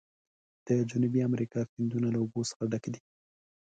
د جنوبي امریکا سیندونه له اوبو څخه ډک دي.